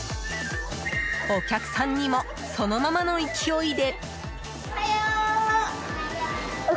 お客さんにもそのままの勢いで。